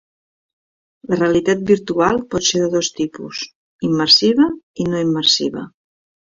La realitat virtual pot ser de dos tipus: immersiva i no immersiva.